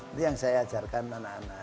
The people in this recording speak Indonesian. itu yang saya ajarkan anak anak